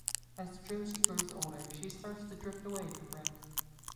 As Josie grows older she starts to drift away from Rick.